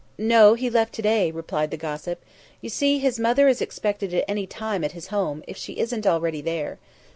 "No; he left to day," replied the gossip. "You see, his mother is expected any time at his home, if she isn't already there.